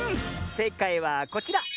せいかいはこちら！